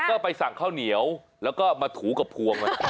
ก็ไปสั่งข้าวเหนียวแล้วก็มาถูกับพวงมา